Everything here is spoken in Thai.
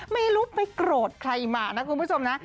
ไม่รู้ไปโกรธใครมานะคุณผู้ชมนะ